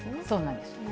そうなんです。